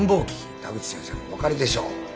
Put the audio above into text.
田口先生もお分かりでしょう。